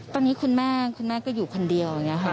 ตอนนี้คุณแม่อยู่คนเดียว